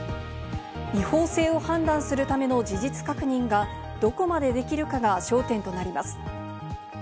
違法性を判断するための事実確認がどこまでできるかが焦点となります。